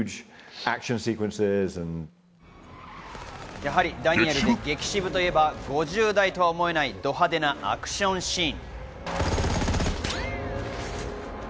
やはりダニエルの激渋といえば、５０代とは思えないド派手なアクションシーン。